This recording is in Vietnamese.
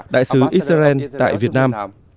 đại sứ israel tại việt nam